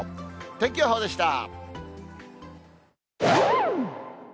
天気予報でした。